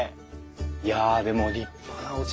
いやでも立派なおうち。